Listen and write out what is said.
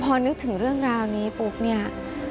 พอนึกถึงเรื่องราวนี้ปุ๊บเนี่ย